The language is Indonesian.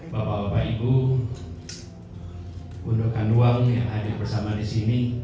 bapak bapak ibu undurkan uang yang ada bersama di sini